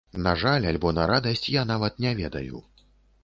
На жаль альбо на радасць, я нават не ведаю.